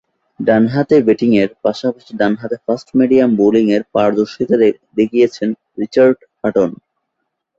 ডানহাতে ব্যাটিংয়ের পাশাপাশি ডানহাতে ফাস্ট-মিডিয়াম বোলিংয়ে পারদর্শীতা দেখিয়েছেন রিচার্ড হাটন।